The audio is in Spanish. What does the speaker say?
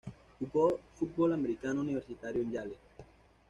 Jugó fútbol americano universitario en Yale.